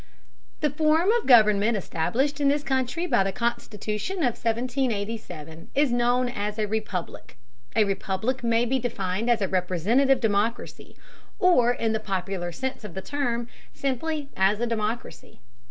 The form of government established in this country by the Constitution of 1787 is known as a republic. A republic may be defined as a representative democracy, or, in the popular sense of the term, simply as a democracy.